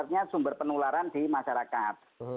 artinya sumber penularan di masyarakat